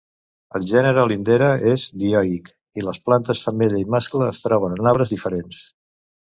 El gènere "lindera" és dioic, i les plantes femella i mascle es troben en arbres diferents.